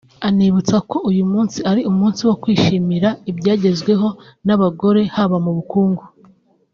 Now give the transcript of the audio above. anibutsa ko uyu munsi ari umunsi wo kwishimira ibyagezweho n’abagore haba mu bukungu